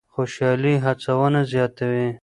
خوشالي هڅونه زیاتوي.